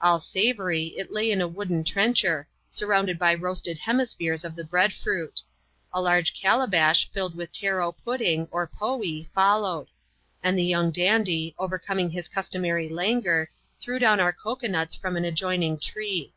All savoury, it lay in a wooden trencher, surrounded by roasted hemispheres of the bread fruit. A large calabash, filled with taro pudding, or poee, followed ; and the young dandy, overcoming his cus^ tomary languor, threw down our cocoa nuts from an adjoining tree.